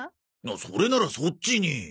それならそっちに。